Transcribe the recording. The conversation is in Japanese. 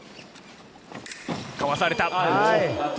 かわされた。